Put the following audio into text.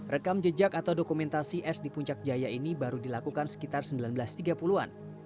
rekam jejak atau dokumentasi es di puncak jaya ini baru dilakukan sekitar seribu sembilan ratus tiga puluh an